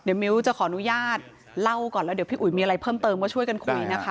เดี๋ยวมิ้วจะขออนุญาตเล่าก่อนแล้วเดี๋ยวพี่อุ๋ยมีอะไรเพิ่มเติมก็ช่วยกันคุยนะคะ